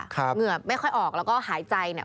เหงื่อไม่ค่อยออกแล้วก็หายใจเนี่ย